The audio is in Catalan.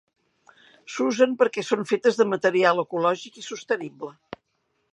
S'usen perquè són fetes de material ecològic i sostenible.